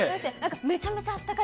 めちゃめちゃあったかい